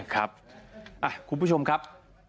ครับคุณผู้ชมครับ